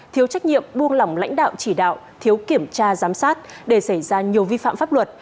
thiếu trách nhiệm buông lỏng lãnh đạo chỉ đạo thiếu kiểm tra giám sát để xảy ra nhiều vi phạm pháp luật